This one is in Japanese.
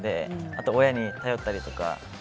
あと親に頼ったりとか。